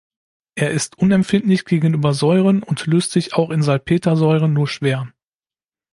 Er ist unempfindlich gegenüber Säuren und löst sich auch in Salpetersäure nur schwer.